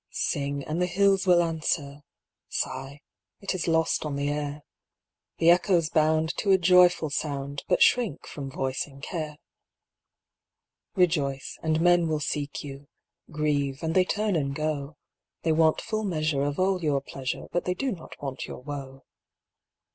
Sing, and the hills will answer; Sigh, it is lost on the air; The echoes bound To a joyful sound, But shrink from voicing care. Rejoice, and men will seek you; Grieve, and they turn and go; They want full measure Of all your pleasure, But they do not want your woe.